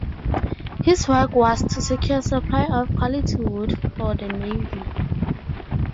His work was to secure a supply of quality wood for the Navy.